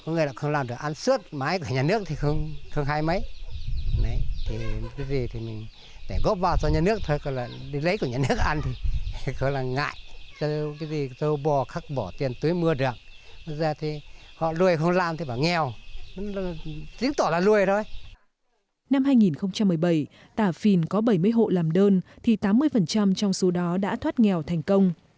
năm hai nghìn một mươi bảy tà phìn có bảy mươi hộ làm đơn thì tám mươi trong số đó đã thoát nghèo thành công